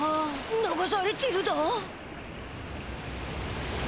流されてるだ？